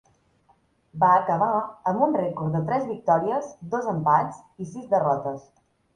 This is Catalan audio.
Va acabar amb un rècord de tres victòries, dos empats i sis derrotes.